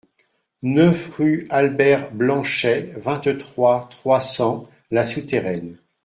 neuf rue Albert Blanchet, vingt-trois, trois cents, La Souterraine